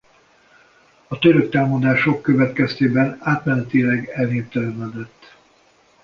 A török támadások következtében átmenetileg elnéptelenedett.